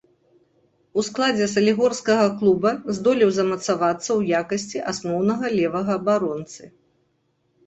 У складзе салігорскага клуба здолеў замацавацца ў якасці асноўнага левага абаронцы.